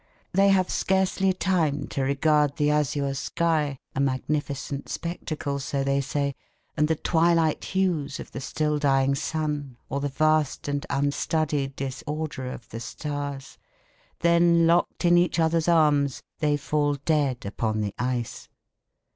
They have scarcely time to regard the azure sky a magnificent spectacle, so they say and the twilight hues of the still dying sun or the vast and unstudied disorder of the stars; then locked in each other's arms they fall dead upon the ice!